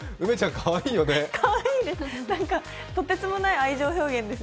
かわいいです。